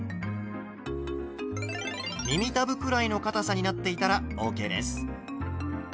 耳たぶくらいのかたさになっていたらＯＫです。